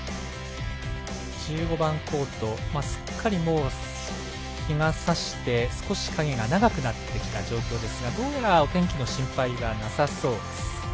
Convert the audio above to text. １５番コートすっかり、日がさして少し影が長くなってきた状況ですが、どうやらお天気の心配はなさそうです。